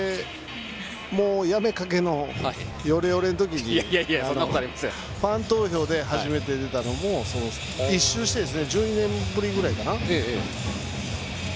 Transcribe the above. やめかけの、よれよれのときにファン投票で初めて出たのも１周して、１０年ぶりぐらいかな。